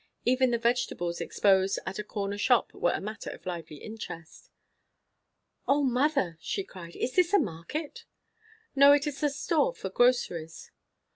Even the vegetables exposed at a corner shop were a matter of lively interest. "O mother," she cried, "is this a market?" "No. It is a store for groceries."